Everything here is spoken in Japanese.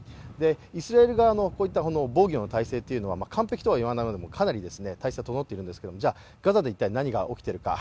イスラエル側のこういった防御の体制は完璧といわないまでもかなり体制は整っているんですけど、ガザで一体何が起きているのか